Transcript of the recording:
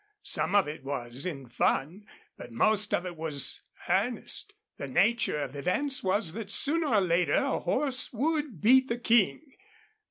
Some of it was in fun, but most of it was earnest. The nature of events was that sooner or later a horse would beat the King.